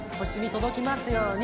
とどきますように。